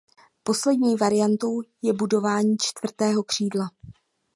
Poslední variantou je dobudování čtvrtého křídla.